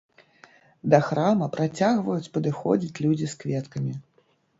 Да храма працягваюць падыходзіць людзі з кветкамі.